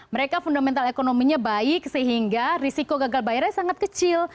mereka fundamental ekonominya baik sehingga risiko gagal bayarnya sangat kecil